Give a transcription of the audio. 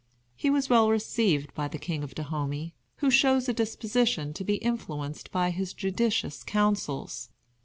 He was well received by the King of Dahomey, who shows a disposition to be influenced by his judicious counsels.